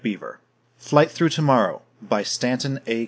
_ FLIGHT THROUGH TOMORROW BY STANTON A.